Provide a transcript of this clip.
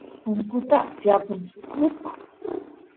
punkuta tiypun suk utku